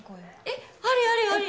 えっありありあり